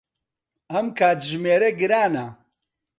ئەم کاتژمێرە گرانە.